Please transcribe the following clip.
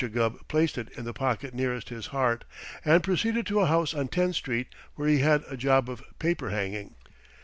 Gubb placed it in the pocket nearest his heart and proceeded to a house on Tenth Street where he had a job of paper hanging.